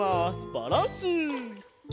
バランス！